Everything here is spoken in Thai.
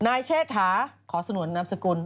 เชษฐาขอสนวนนามสกุล